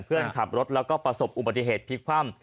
เพื่อนขับรถแล้วก็ประสบอุบัติเหตุพลิกคว่ำ